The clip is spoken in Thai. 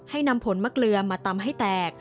นำผลมะเกลือมาตำให้แตก